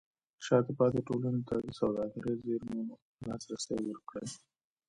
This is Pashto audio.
شاته پاتې ټولنې ته د سوداګرۍ زېرمو لاسرسی ورکړئ.